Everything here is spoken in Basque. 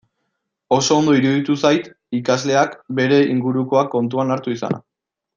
Oso ondo iruditu zait ikasleak bere ingurukoak kontuan hartu izana.